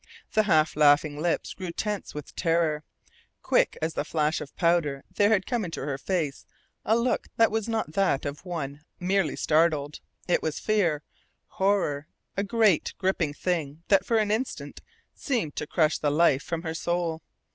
The half laughing lips grew tense with terror. Quick as the flash of powder there had come into her face a look that was not that of one merely startled. It was fear horror a great, gripping thing that for an instant seemed to crush the life from her soul.